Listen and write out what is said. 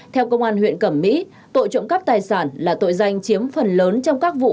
theo công an huyện cầm mỹ tội trộm cắp tài sản là tội danh